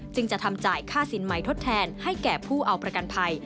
จะทำจ่ายค่าสินใหม่ทดแทนให้แก่ผู้เอาประกันภัย